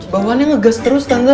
bawahannya ngegas terus tante